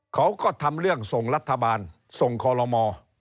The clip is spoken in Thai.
เขาก็ทำเรื่องส่งรัฐบาลส่งคอลโลม